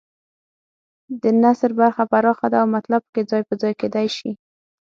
د نثر برخه پراخه ده او مطلب پکې ځای پر ځای کېدای شي.